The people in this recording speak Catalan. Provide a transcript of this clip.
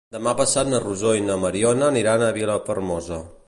Demà passat na Rosó i na Mariona aniran a Vilafermosa.